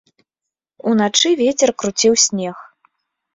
Уначы вецер круціў снег.